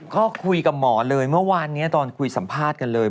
ก็คุยกับหมอเลยเมื่อวานนี้ตอนคุยสัมภาษณ์กันเลย